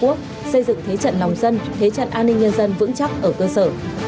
quốc xây dựng thế trận lòng dân thế trận an ninh nhân dân vững chắc ở cơ sở